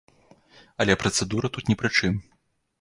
Але працэдура тут ні пры чым.